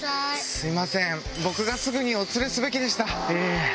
すいません僕がすぐにお連れすべきでした。